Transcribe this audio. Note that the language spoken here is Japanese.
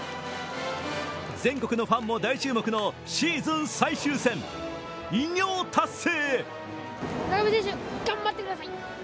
全国のファンも大注目のシーズン最終戦、偉業達成！